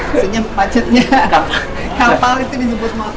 maksudnya macetnya kapal itu disebut motor